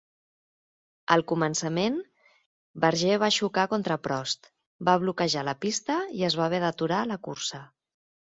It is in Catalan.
Al començament, Berger va xocar contra Prost, va bloquejar la pista i es va haver d'aturar la cursa.